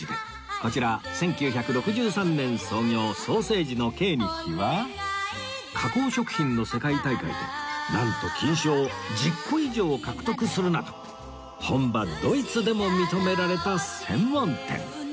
こちら１９６３年創業ソーセージのケーニッヒは加工食品の世界大会でなんと金賞を１０個以上獲得するなど本場ドイツでも認められた専門店